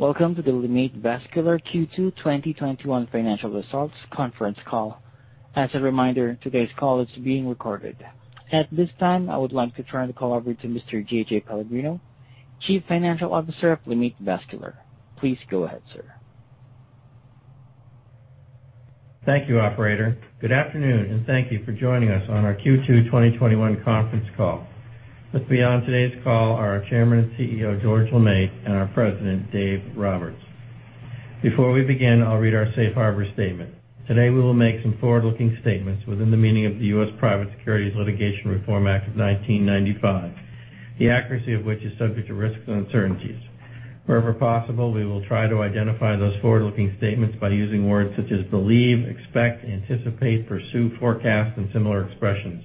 Welcome to the LeMaitre Vascular Q2 2021 Financial Results Conference Call. As a reminder, today's call is being recorded. At this time, I would like to turn the call over to Mr. JJ Pellegrino, Chief Financial Officer of LeMaitre Vascular. Please go ahead, sir. Thank you, operator. Good afternoon, and thank you for joining us on our Q2 2021 Conference Call. With me on today's call are our Chairman and CEO, George LeMaitre, and our President, Dave Roberts. Before we begin, I'll read our safe harbor statement. Today, we will make some forward-looking statements within the meaning of the U.S. Private Securities Litigation Reform Act of 1995, the accuracy of which is subject to risks and uncertainties. Wherever possible, we will try to identify those forward-looking statements by using words such as believe, expect, anticipate, pursue, forecast, and similar expressions.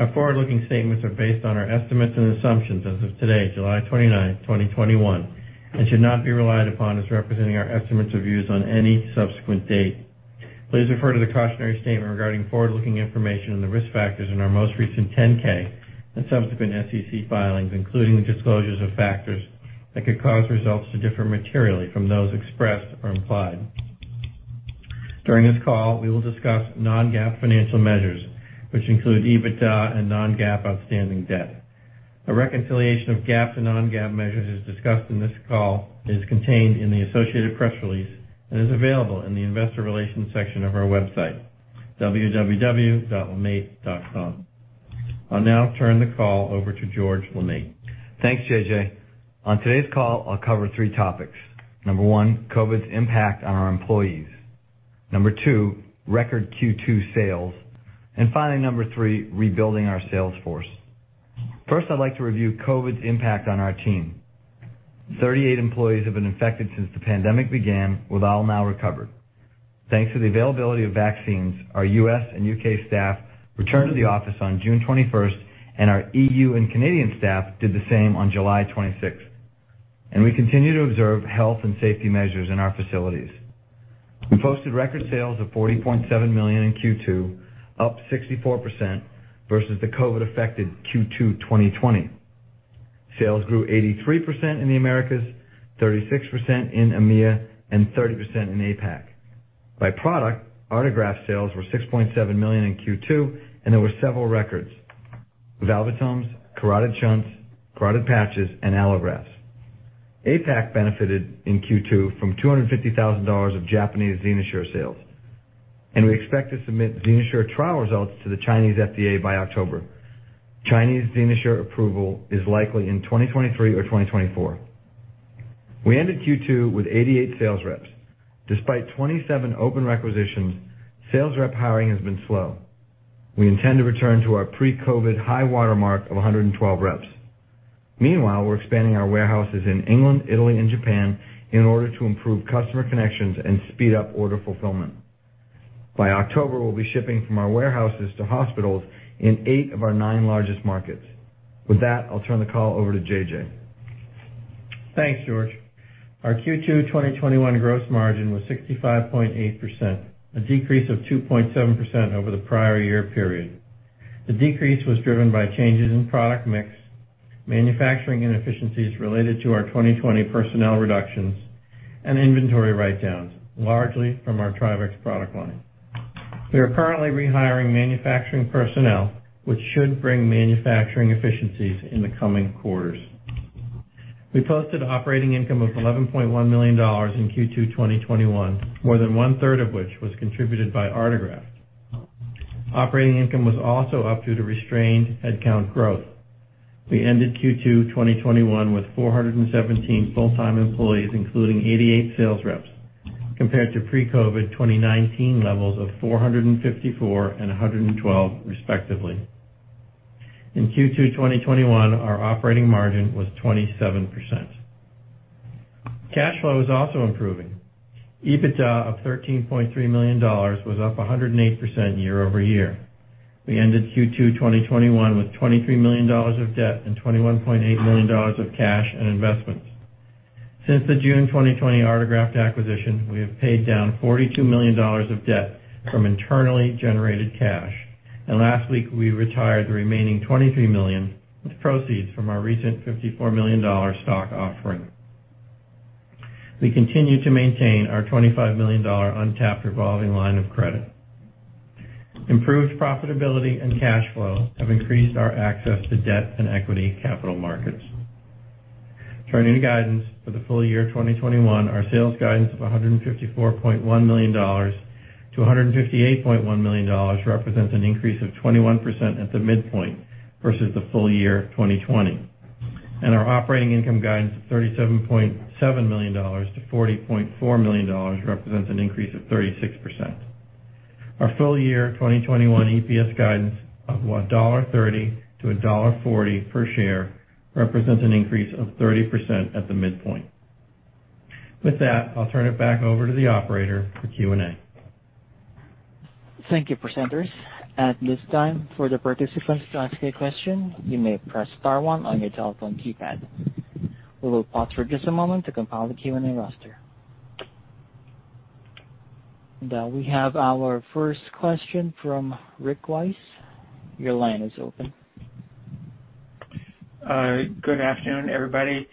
Our forward-looking statements are based on our estimates and assumptions as of today, July 29th, 2021, and should not be relied upon as representing our estimates or views on any subsequent date. Please refer to the cautionary statement regarding forward-looking information and the risk factors in our most recent 10-K and subsequent SEC filings, including the disclosures of factors that could cause results to differ materially from those expressed or implied. During this call, we will discuss non-GAAP financial measures, which include EBITDA and non-GAAP outstanding debt. A reconciliation of GAAP to non-GAAP measures as discussed in this call is contained in the associated press release and is available in the investor relations section of our website, www.lemaitre.com. I'll now turn the call over to George LeMaitre. Thanks, JJ. On today's call, I'll cover three topics. Number one. COVID's impact on our employees. Number two. Record Q2 sales. Finally, number three. Rebuilding our sales force. First, I'd like to review COVID's impact on our team. 38 employees have been infected since the pandemic began, with all now recovered. Thanks to the availability of vaccines, our U.S. and U.K. staff returned to the office on June 21st, and our E.U. and Canadian staff did the same on July 26th. We continue to observe health and safety measures in our facilities. We posted record sales of $40.7 million in Q2, up 64% versus the COVID-affected Q2 2020. Sales grew 83% in the Americas, 36% in EMEA, and 30% in APAC. By product, Artegraft sales were $6.7 million in Q2, and there were several records. Valvulotomes, carotid shunts, carotid patches, and allografts. APAC benefited in Q2 from $250,000 of Japanese XenoSure sales. We expect to submit XenoSure trial results to the Chinese FDA by October. Chinese XenoSure approval is likely in 2023 or 2024. We ended Q2 with 88 sales reps. Despite 27 open requisitions, sales rep hiring has been slow. We intend to return to our pre-COVID high watermark of 112 reps. Meanwhile, we're expanding our warehouses in England, Italy, and Japan in order to improve customer connections and speed up order fulfillment. By October, we'll be shipping from our warehouses to hospitals in eight of our nine largest markets. With that, I'll turn the call over to JJ. Thanks, George. Our Q2 2021 gross margin was 65.8%, a decrease of 2.7% over the prior year period. The decrease was driven by changes in product mix, manufacturing inefficiencies related to our 2020 personnel reductions, and inventory write-downs, largely from our TRIVEX product line. We are currently rehiring manufacturing personnel, which should bring manufacturing efficiencies in the coming quarters. We posted operating income of $11.1 million in Q2 2021, more than one-third of which was contributed by Artegraft. Operating income was also up due to restrained headcount growth. We ended Q2 2021 with 417 full-time employees, including 88 sales reps, compared to pre-COVID 2019 levels of 454 and 112 respectively. In Q2 2021, our operating margin was 27%. Cash flow is also improving. EBITDA of $13.3 million was up 108% year-over-year. We ended Q2 2021 with $23 million of debt and $21.8 million of cash and investments. Since the June 2020 Artegraft acquisition, we have paid down $42 million of debt from internally generated cash. Last week, we retired the remaining $23 million with proceeds from our recent $54 million stock offering. We continue to maintain our $25 million untapped revolving line of credit. Improved profitability and cash flow have increased our access to debt and equity capital markets. Turning to guidance, for the full year 2021, our sales guidance of $154.1 million-$158.1 million represents an increase of 21% at the midpoint versus the full year 2020. Our operating income guidance of $37.7 million-$40.4 million represents an increase of 36%. Our full year 2021 EPS guidance of $1.30-$1.40 per share represents an increase of 30% at the midpoint. With that, I'll turn it back over to the operator for Q&A. Thank you, presenters. At this time, for the participants to ask a question, you may press star one on your telephone keypad. We will pause for just a moment to compile the Q&A roster. Now we have our first question from Rick Wise. Your line is open. Good afternoon, everybody.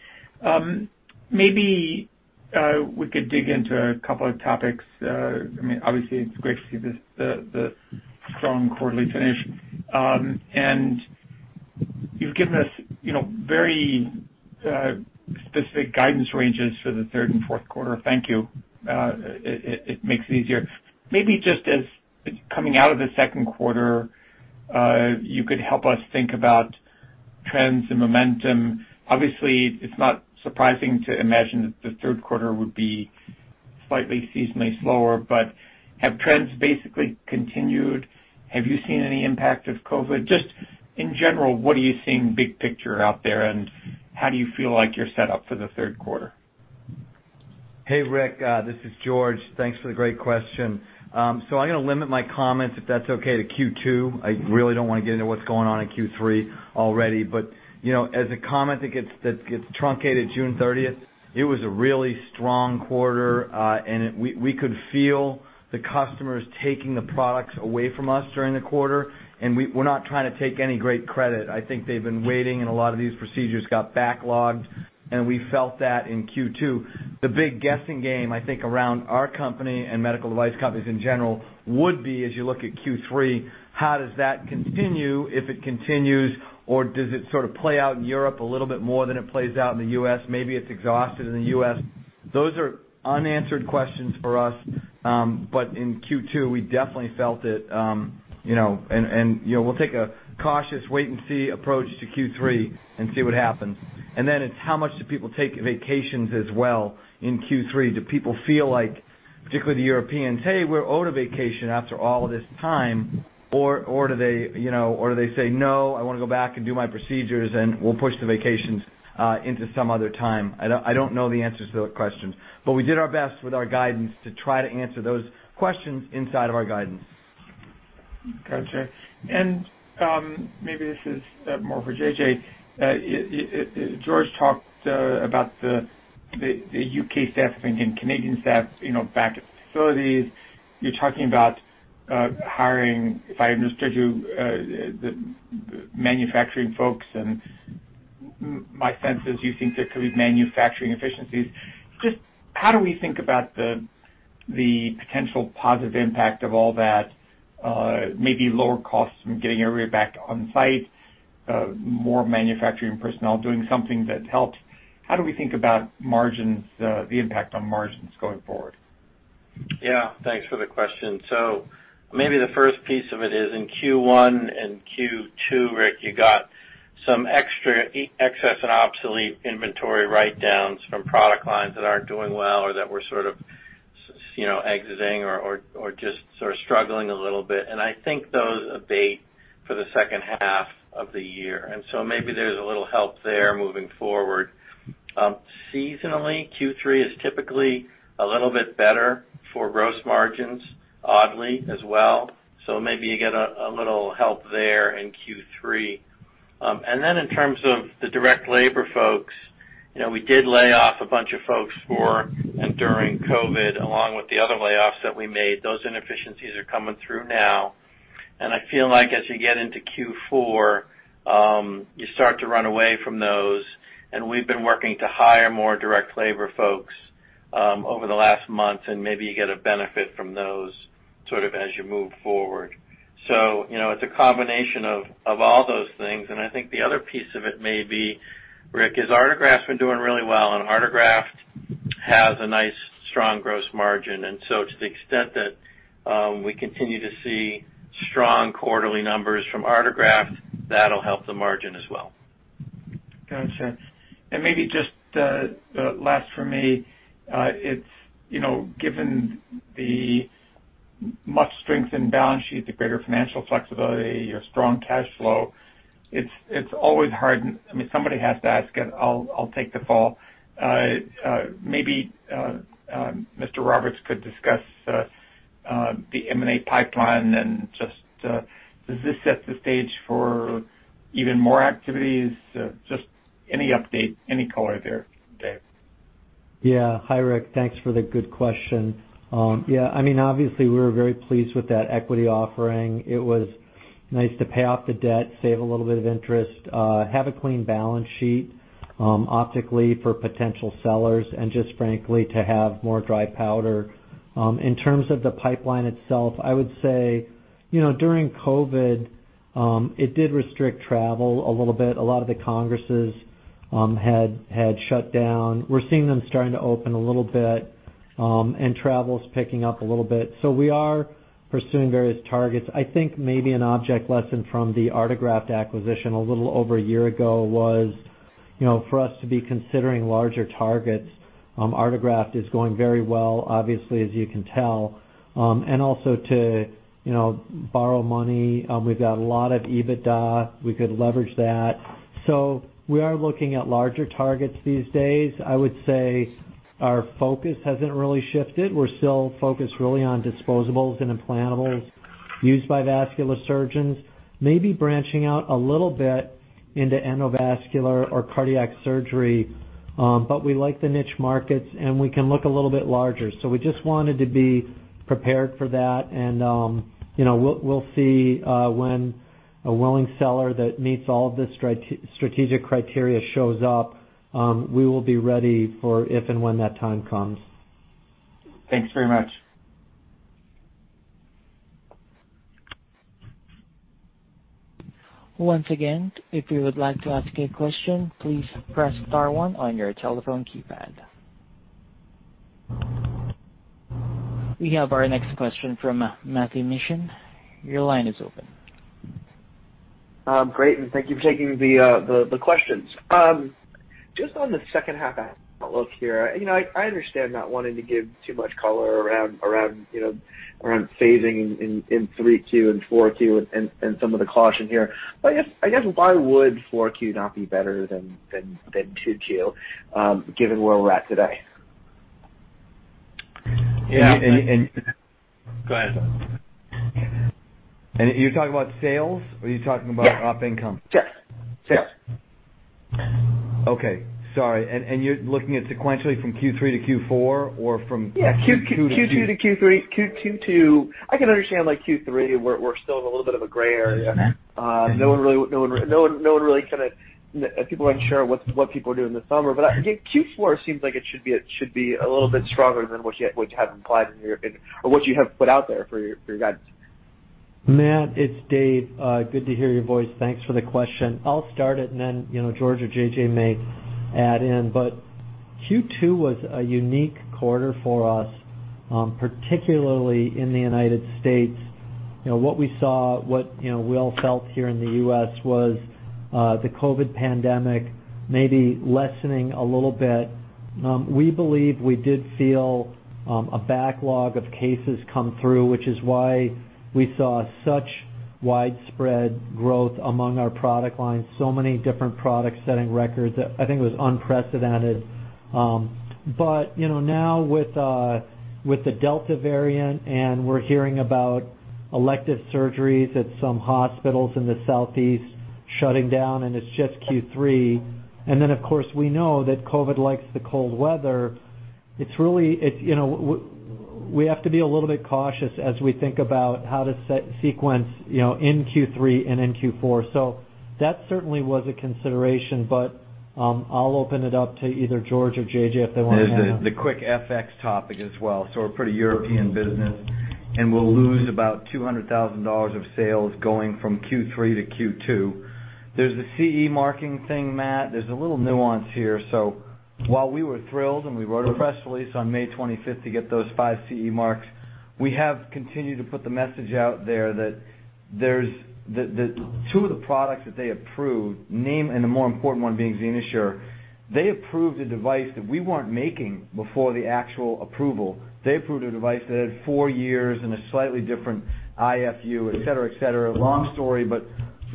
Maybe we could dig into a couple of topics. Obviously, it's great to see the strong quarterly finish. You've given us very specific guidance ranges for the third and fourth quarter. Thank you. It makes it easier. Maybe just as coming out of the second quarter, you could help us think about trends and momentum. Obviously, it's not surprising to imagine that the third quarter would be slightly seasonally slower. Have trends basically continued? Have you seen any impact of COVID? Just in general, what are you seeing big picture out there, and how do you feel like you're set up for the third quarter? Hey, Rick. This is George. Thanks for the great question. I'm going to limit my comments, if that's okay, to Q2. I really don't want to get into what's going on in Q3 already, but as a comment that gets truncated June 30th, it was a really strong quarter, and we could feel the customers taking the products away from us during the quarter, and we're not trying to take any great credit. I think they've been waiting and a lot of these procedures got backlogged, and we felt that in Q2. The big guessing game, I think, around our company and medical device companies in general would be as you look at Q3, how does that continue, if it continues, or does it sort of play out in Europe a little bit more than it plays out in the U.S.? Maybe it's exhausted in the U.S. Those are unanswered questions for us. In Q2, we definitely felt it. We'll take a cautious wait and see approach to Q3 and see what happens. Then it's how much do people take vacations as well in Q3? Do people feel like, particularly the Europeans, "Hey, we're owed a vacation after all of this time," or do they say, "No, I want to go back and do my procedures, and we'll push the vacations into some other time." I don't know the answers to those questions, but we did our best with our guidance to try to answer those questions inside of our guidance. Got you. Maybe this is more for JJ. George talked about the U.K. staff, I think, and Canadian staff back at the facilities. You're talking about hiring, if I understood you, the manufacturing folks, and my sense is you think there could be manufacturing efficiencies. How do we think about the potential positive impact of all that? Maybe lower costs from getting everybody back on site, more manufacturing personnel doing something that helps. How do we think about the impact on margins going forward? Yeah. Thanks for the question. Maybe the first piece of it is in Q1 and Q2, Rick, you got some extra excess and obsolete inventory write-downs from product lines that aren't doing well or that we're sort of exiting or just sort of struggling a little bit. I think those abate for the second half of the year. Maybe there's a little help there moving forward. Seasonally, Q3 is typically a little bit better for gross margins, oddly as well. Maybe you get a little help there in Q3. In terms of the direct labor folks, we did lay off a bunch of folks for and during COVID, along with the other layoffs that we made. Those inefficiencies are coming through now. I feel like as you get into Q4, you start to run away from those. We've been working to hire more direct labor folks over the last month, and maybe you get a benefit from those sort of as you move forward. It's a combination of all those things. I think the other piece of it may be, Rick, is Artegraft's been doing really well. Artegraft has a nice, strong gross margin. To the extent that we continue to see strong quarterly numbers from Artegraft, that'll help the margin as well. Gotcha. Maybe just last for me, given the much-strengthened balance sheet, the greater financial flexibility, your strong cash flow, it's always hard. Somebody has to ask, and I'll take the fall. Maybe Mr. Roberts could discuss the M&A pipeline and just does this set the stage for even more activities? Just any update, any color there, Dave? Yeah. Hi, Rick. Thanks for the good question. Obviously, we were very pleased with that equity offering. It was nice to pay off the debt, save a little bit of interest, have a clean balance sheet, optically for potential sellers, and just frankly, to have more dry powder. In terms of the pipeline itself, I would say during COVID, it did restrict travel a little bit. A lot of the congresses had shut down. We're seeing them starting to open a little bit, and travel's picking up a little bit. We are pursuing various targets. I think maybe an object lesson from the Artegraft acquisition a little over a year ago was for us to be considering larger targets. Artegraft is going very well, obviously, as you can tell. Also to borrow money. We've got a lot of EBITDA. We could leverage that. We are looking at larger targets these days. I would say our focus hasn't really shifted. We're still focused really on disposables and implantables used by vascular surgeons, maybe branching out a little bit into endovascular or cardiac surgery. We like the niche markets, and we can look a little bit larger. We just wanted to be prepared for that, and we'll see when a willing seller that meets all of the strategic criteria shows up. We will be ready for if and when that time comes. Thanks very much. Once again, if you would like to ask a question, please press star one on your telephone keypad. We have our next question from Matthew Mishan. Your line is open. Great, thank you for taking the questions. Just on the second half outlook here, I understand not wanting to give too much color around phasing in 3Q and 4Q and some of the caution here. I guess why would 4Q not be better than 2Q, given where we're at today? Yeah. And- Go ahead. You're talking about sales? Yeah Op Income? Sure. Okay. Sorry, you're looking at sequentially from Q3 to Q4 or from Q2 to? Yeah, Q2 to Q3. I can understand like Q3, we're still in a little bit of a gray area. No one really kind of - people aren't sure what people are doing this summer. Q4 seems like it should be a little bit stronger than what you have implied in your, or what you have put out there for your guidance. Matt, it's Dave. Good to hear your voice. Thanks for the question. I'll start it and then George or JJ may add in. Q2 was a unique quarter for us, particularly in the U.S. What we saw, what we all felt here in the U.S. was the COVID pandemic maybe lessening a little bit. We believe we did feel a backlog of cases come through, which is why we saw such widespread growth among our product lines, so many different products setting records. I think it was unprecedented. Now with the Delta variant, we're hearing about elective surgeries at some hospitals in the southeast shutting down, it's just Q3. Then, of course, we know that COVID likes the cold weather. We have to be a little bit cautious as we think about how to sequence in Q3 and in Q4. That certainly was a consideration, but I'll open it up to either George or JJ if they want to add on. There's the quick FX topic as well. We're a pretty European business, and we'll lose about $200,000 of sales going from Q3 to Q2. There's the CE marking thing, Matt. There's a little nuance here. While we were thrilled and we wrote a press release on May 25th to get those 5 CE marks, we have continued to put the message out there that two of the products that they approved, name and the more important one being XenoSure, they approved a device that we weren't making before the actual approval. They approved a device that had four years and a slightly different IFU, et cetera. Long story, but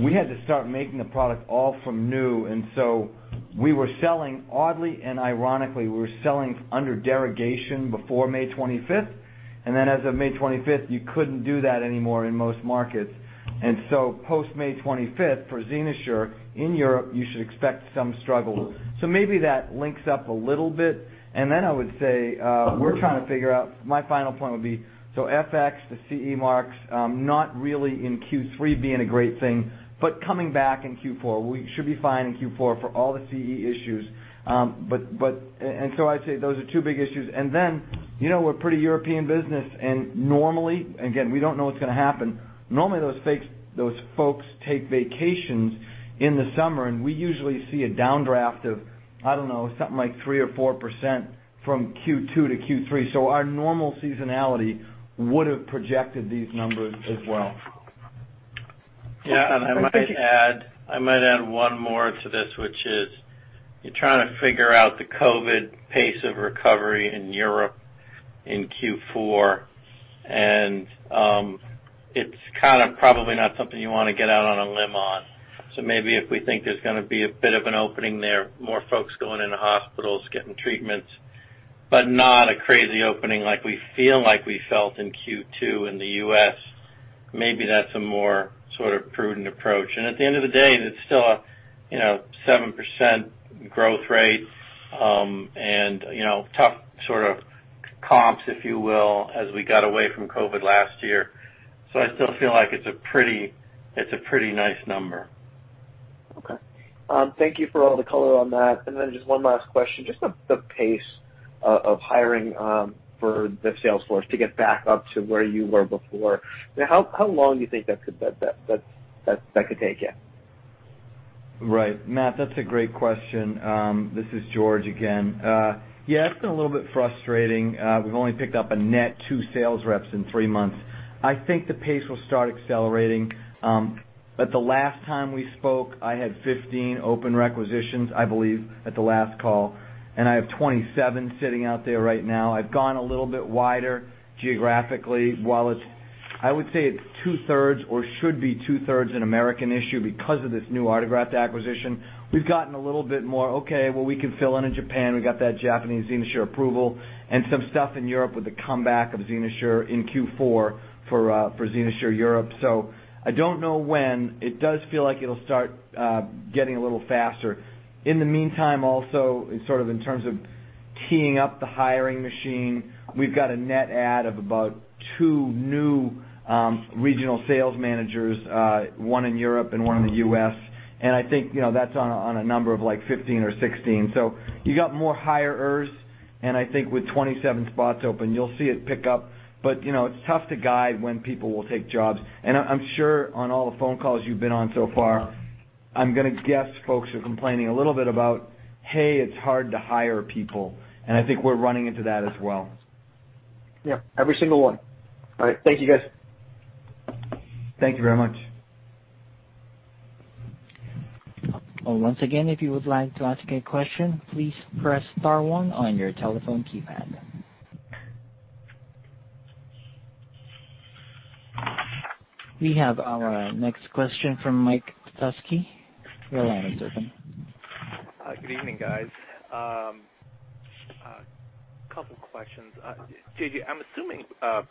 we had to start making the product all from new. We were selling, oddly and ironically, we were selling under derogation before May 25th. As of May 25th, you couldn't do that anymore in most markets. Post May 25th, for XenoSure in Europe, you should expect some struggle. Maybe that links up a little bit. I would say, we're trying to figure out My final point would be, FX, the CE marks, not really in Q3 being a great thing, but coming back in Q4. We should be fine in Q4 for all the CE issues. I'd say those are two big issues. We're a pretty European business, and normally, again, we don't know what's going to happen. Normally, those folks take vacations in the summer, and we usually see a downdraft of, I don't know, something like 3% or 4% from Q2 to Q3. Our normal seasonality would have projected these numbers as well. Yeah. I might add one more to this, which is you're trying to figure out the COVID pace of recovery in Europe in Q4, and it's kind of probably not something you want to get out on a limb on. Maybe if we think there's going to be a bit of an opening there, more folks going into hospitals, getting treatments, but not a crazy opening like we feel like we felt in Q2 in the U.S. Maybe that's a more sort of prudent approach. At the end of the day, and it's still a 7% growth rate, and tough sort of comps, if you will, as we got away from COVID last year. I still feel like it's a pretty nice number. Okay. Thank you for all the color on that. Just one last question. Just the pace of hiring for the sales force to get back up to where you were before, how long do you think that could take you? Right. Matt, that's a great question. This is George again. Yeah, it's been a little bit frustrating. We've only picked up a net two sales reps in three months. I think the pace will start accelerating. The last time we spoke, I had 15 open requisitions, I believe, at the last call. I have 27 sitting out there right now. I've gone a little bit wider geographically. While I would say it's two-thirds or should be two-thirds an American issue because of this new Artegraft acquisition. We've gotten a little bit more, okay, well, we can fill in in Japan. We got that Japanese XenoSure approval and some stuff in Europe with the comeback of XenoSure in Q4 for XenoSure Europe. I don't know when. It does feel like it'll start getting a little faster. In the meantime, also in terms of teeing up the hiring machine. We've got a net add of about two new regional sales managers, one in Europe and one in the U.S. I think that's on a number of 15 or 16. You got more hirers, and I think with 27 spots open, you'll see it pick up. It's tough to guide when people will take jobs. I'm sure on all the phone calls you've been on so far, I'm going to guess folks are complaining a little bit about, "Hey, it's hard to hire people." I think we're running into that as well. Yeah, every single one. All right. Thank you, guys. Thank you very much. Once again, if you would like to ask a question, please press star one on your telephone keypad. We have our next question from Mike Petusky. Your line is open. Good evening, guys. A couple questions. JJ, I'm assuming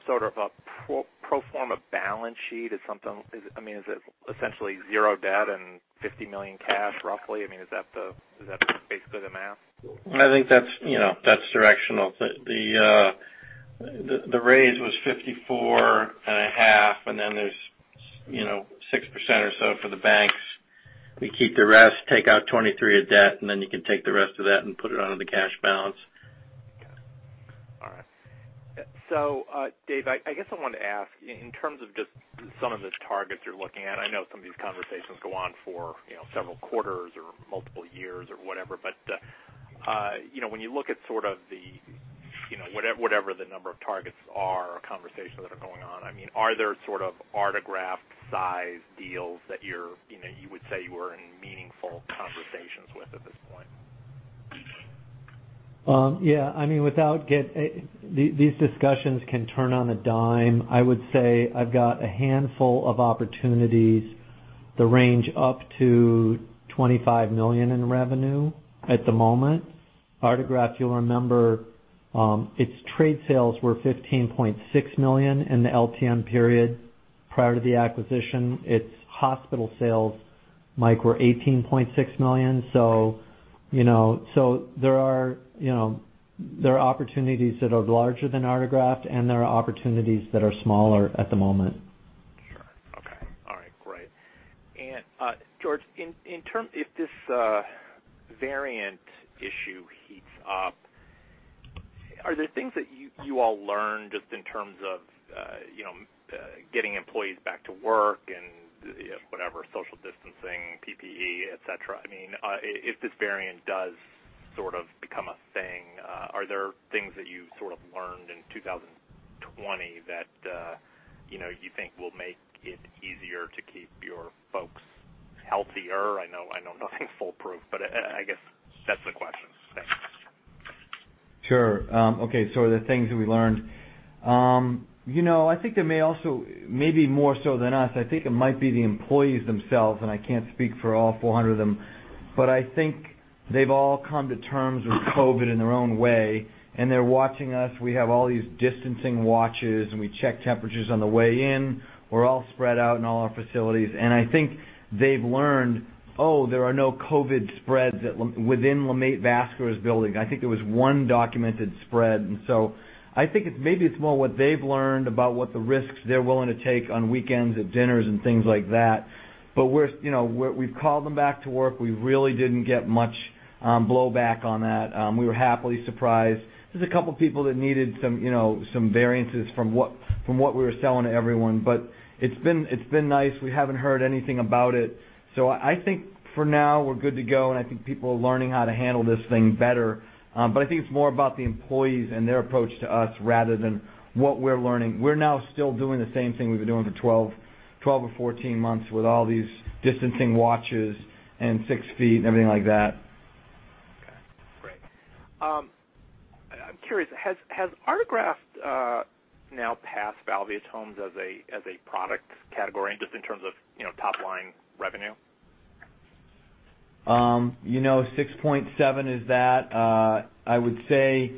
sort of a pro forma balance sheet. Is it essentially zero debt and $50 million cash, roughly? Is that basically the math? I think that's directional. The raise was $54 and a half, and then there's 6% or so for the banks. We keep the rest, take out $23 of debt, and then you can take the rest of that and put it onto the cash balance. Got it. All right. Dave, I guess I wanted to ask, in terms of just some of the targets you're looking at, I know some of these conversations go on for several quarters or multiple years or whatever. When you look at sort of the, whatever the number of targets are or conversations that are going on, are there sort of Artegraft-size deals that you would say you are in meaningful conversations with at this point? Yeah. These discussions can turn on a dime. I would say I've got a handful of opportunities that range up to $25 million in revenue at the moment. Artegraft, you'll remember, its trade sales were $15.6 million in the LTM period prior to the acquisition. Its hospital sales, Mike, were $18.6 million. There are opportunities that are larger than Artegraft, and there are opportunities that are smaller at the moment. Sure. Okay. All right, great. George, if this variant issue heats up, are there things that you all learned just in terms of getting employees back to work and whatever social distancing, PPE, et cetera? If this variant does sort of become a thing, are there things that you sort of learned in 2020 that you think will make it easier to keep your folks healthier? I know nothing's full-proof, but I guess that's the question. Sure. Okay, the things that we learned. I think there may also, maybe more so than us, I think it might be the employees themselves, and I can't speak for all 400 of them, but I think they've all come to terms with COVID in their own way, and they're watching us. We have all these distancing watches, and we check temperatures on the way in. We're all spread out in all our facilities. I think they've learned, oh, there are no COVID spreads within LeMaitre Vascular's building. I think there was one documented spread, and I think maybe it's more what they've learned about what the risks they're willing to take on weekends at dinners and things like that. We've called them back to work. We really didn't get much blowback on that. We were happily surprised. There's a couple people that needed some variances from what we were selling to everyone. It's been nice. We haven't heard anything about it. I think for now, we're good to go. I think people are learning how to handle this thing better. I think it's more about the employees and their approach to us rather than what we're learning. We're now still doing the same thing we've been doing for 12 or 14 months with all these distancing watches and six feet and everything like that. Okay, great. I'm curious, has Artegraft now pass Valvulotomes as a product category, and just in terms of top-line revenue? 6.7 is that. I would say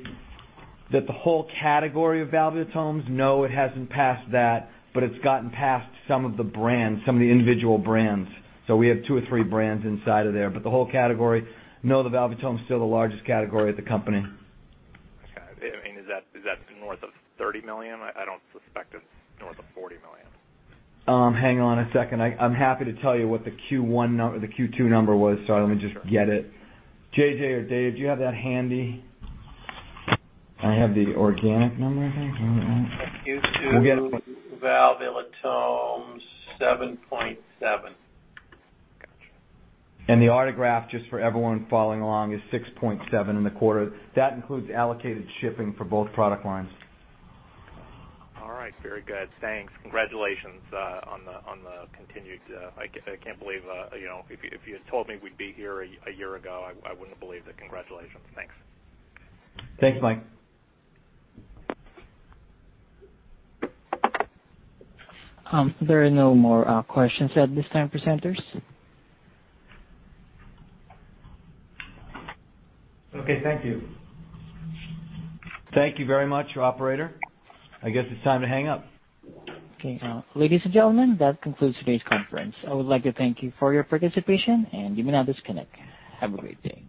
that the whole category of Valvulotomes, no, it hasn't passed that, but it's gotten past some of the brands, some of the individual brands. We have two or three brands inside of there. The whole category, no, the Valvulotomes still the largest category at the company. Okay. Is that north of $30 million? I don't suspect it's north of $40 million. Hang on a second. I'm happy to tell you what the Q2 number was. Let me just get it. JJ or Dave, do you have that handy? I have the organic number, I think. I don't know. Valvulotomes, 7.7. Gotcha. The Artegraft, just for everyone following along, is 6.7 in the quarter. That includes allocated shipping for both product lines. All right, very good. Thanks. Congratulations on the continued I can't believe if you had told me we'd be here a year ago, I wouldn't have believed it. Congratulations. Thanks. Thanks, Mike. There are no more questions at this time, presenters. Okay, thank you. Thank you very much, operator. I guess it's time to hang up. Okay. Ladies and gentlemen, that concludes today's conference. I would like to thank you for your participation, and you may now disconnect. Have a great day.